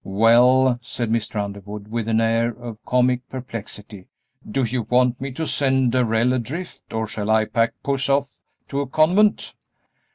"Well," said Mr. Underwood, with an air of comic perplexity, "do you want me to send Darrell adrift, or shall I pack Puss off to a convent?"